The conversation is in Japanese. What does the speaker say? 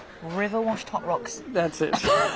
アハハハ。